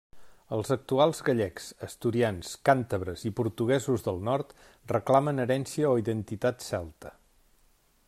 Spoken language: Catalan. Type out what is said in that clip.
Els actuals gallecs, asturians, càntabres i portuguesos del nord reclamen herència o identitat celta.